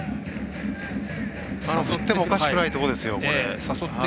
振ってもおかしくないところですよ。